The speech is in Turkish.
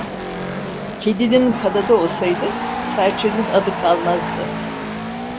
Kedinin kanadı olsaydı serçenin adı kalmazdı.